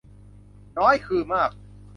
น้อยคือมาก